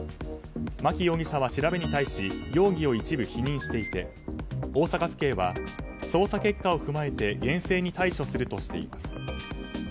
牧容疑者は調べに対し容疑を一部否認していて大阪府警は、捜査結果を踏まえて厳正に対処するとしています。